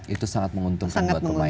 itu sangat menguntungkan buat pemain